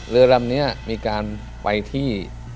เรือลำนี้มีการไปที่